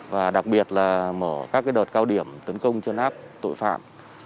và đặc biệt là mở các đợt cao điểm tấn công chấn áp tội phạm